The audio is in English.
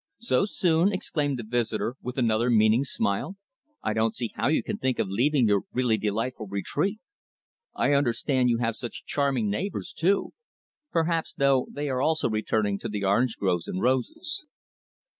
"So soon?" exclaimed their visitor, with another meaning smile. "I don't see how you can think of leaving your really delightful retreat. I understand you have such charming neighbors too. Perhaps though, they are also returning to the orange groves and roses."